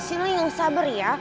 cila yang sabar ya